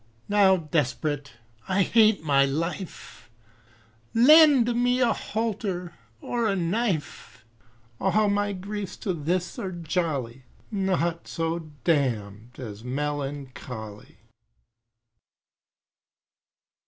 Now desperate I hate my life, Lend me a halter or a knife; All my griefs to this are jolly, Naught so damn'd as melancholy.